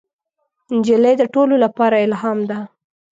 نجلۍ د ټولو لپاره الهام ده.